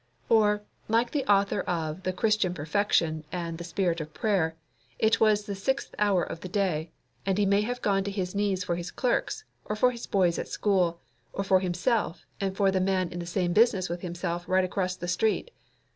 Or, like the author of the Christian Perfection and The Spirit of Prayer, it was the sixth hour of the day, and he may have gone to his knees for his clerks, or for his boys at school, or for himself and for the man in the same business with himself right across the street.